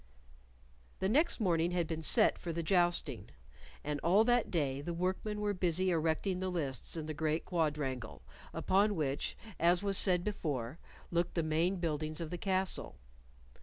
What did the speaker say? The next morning had been set for the jousting, and all that day the workmen were busy erecting the lists in the great quadrangle upon which, as was said before, looked the main buildings of the castle.